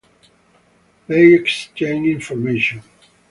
They exchanged information.